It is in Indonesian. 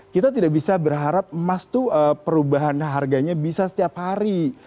kita tidak bisa berharap emas itu perubahan harganya bisa setiap hari